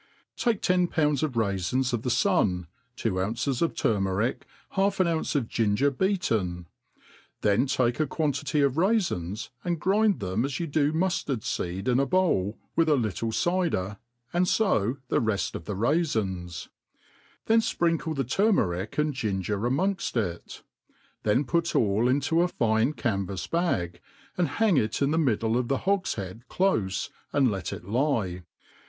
, TAKE ten pounds of raifins of the fun, two ounces of tur merick, half an ounce of ginger beaten ; then take a quantity of raifiiis, and grind thejn as you do muftard feed in a bowl, with a little cyder, and fo the reft of the raifins ^ then fprixikle the turmerick and ginger amongft it ; then put all into a fine canvafs bag, and hang it in the middle of the ^hogfhead' clofe, and let it lie.